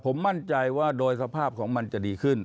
ผมมั่นใจว่าโดยสภาพของมันจะดีขึ้น